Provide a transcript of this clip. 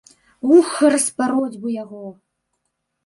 Ух, распароць бы яго!